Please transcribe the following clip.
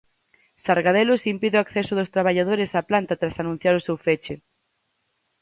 Sargadelos impide o acceso dos traballadores á planta tras anunciar o seu feche